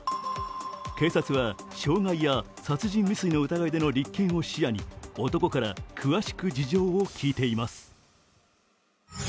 警察は傷害や殺人未遂での疑いの立件を視野に男から詳しく事情を聞いています。